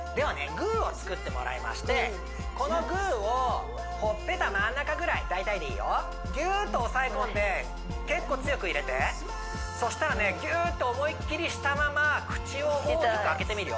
グーを作ってもらいましてこのグーをほっぺた真ん中ぐらい大体でいいよギューッと押さえ込んで結構強く入れてそしたらねギューッと思いっきりしたまま口を大きく開けてみるよ